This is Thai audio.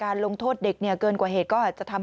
เรายินดีที่จะดูแลเยียวยาทุกอย่างค่ะ